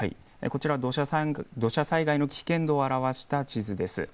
土砂災害の危険度を表した地図です。